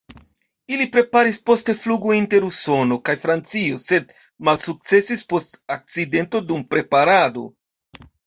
Ili preparis poste flugon inter Usono kaj Francio sed malsukcesis post akcidento dum preparado.